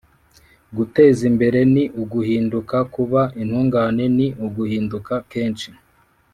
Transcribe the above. “gutezimbere ni uguhinduka; kuba intungane ni uguhinduka kenshi. ”